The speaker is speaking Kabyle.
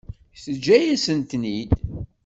Teǧǧa-yasen-ten-id.